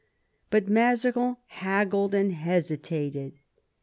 But Mazarin haggled and hesitated.